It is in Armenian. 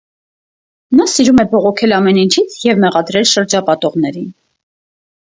Նա սիրում է բողոքել ամեն ինչից և մեղադրել շրջապատողներին։